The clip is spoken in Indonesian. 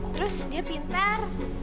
terus dia pintar